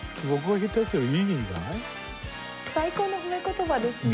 さっき最高の褒め言葉ですね。